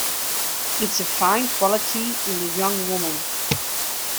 It is a fine quality in a young woman.